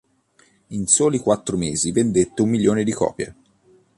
In soli quattro mesi vendette un milione di copie.